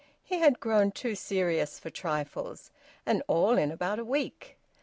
He had grown too serious for trifles and all in about a week!